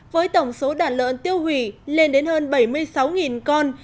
với tổng số đàn lợn tiêu hủy lên đến hơn bảy mươi sáu con